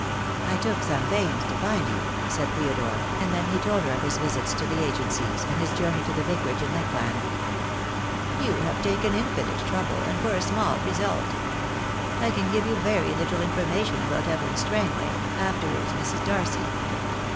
" "I took some pains to find you," said Theodore, and then he told her of his visits to the agencies, and his journey to the Vicarage in Lakeland. "You have taken infinite trouble, and for a small re sult. I can give you very little information about Evelyn Strangway — afterwards Mrs. Darcy."